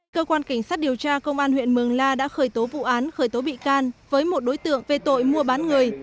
cơ quan cảnh sát điều tra công an huyện mường la đã khởi tố vụ án khởi tố bị can với một đối tượng về tội mua bán người